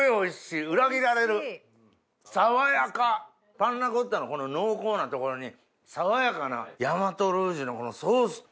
パンナコッタのこの濃厚なところに爽やかな大和ルージュのこのソース。